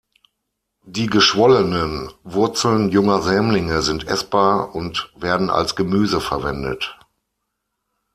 Die geschwollenen Wurzeln junger Sämlinge sind essbar und werden als Gemüse verwendet.